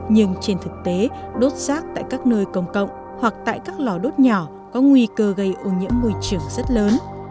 nhưng trên thực tế đốt rác tại các nơi công cộng hoặc tại các lò đốt nhỏ có nguy cơ gây ô nhiễm môi trường rất lớn